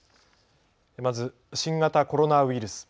まず新型コロナウイルス。